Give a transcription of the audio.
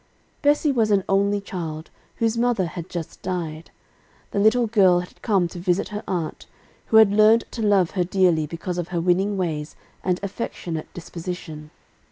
Bessie was an only child, whose mother had just died. The little girl had come to visit her aunt, who had learned to love her dearly because of her winning ways and affectionate disposition.